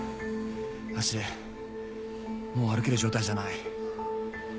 足もう歩ける状態じゃない。